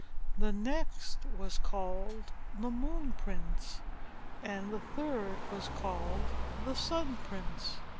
The next was called the Moon Prince and the third was called the Sun Prince.